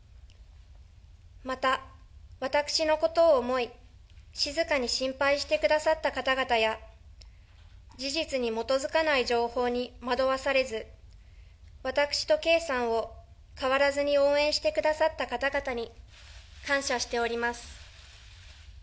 また、私のことを思い、静かに心配してくださった方々や、事実に基づかない情報に惑わされず、私と圭さんを変わらずに応援してくださった方々に、感謝しております。